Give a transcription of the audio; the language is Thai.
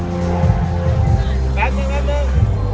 สโลแมคริปราบาล